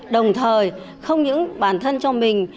đồng thời không những bản thân cho mình